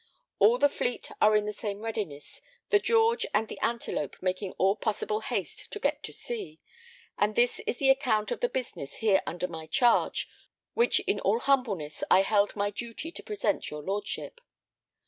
All the fleet are in the same readiness, the George and the Antelope making all possible haste to get to sea, and this is the account of the business here under my charge, which in all humbleness I held my duty to present your lordship.